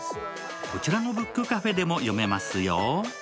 こちらのブックカフェでも読めますよ。